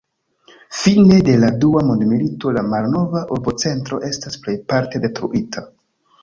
Fine de la Dua Mondmilito la malnova urbocentro estas plejparte detruita.